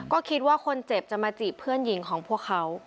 ก็คิดว่าคนเจ็บจะมาจีบเพื่อนหญิงของพวกเขา